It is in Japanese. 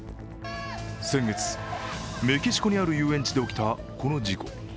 先月、メキシコにある遊園地で起きたこの事故。